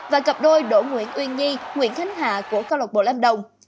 và cặp đôi đỗ nguyễn uyên nhi nguyễn khánh hạ của câu lạc bộ lam đồng